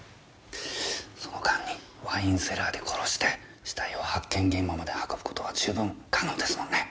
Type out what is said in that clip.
その間にワインセラーで殺して死体を発見現場まで運ぶ事は十分可能ですもんね？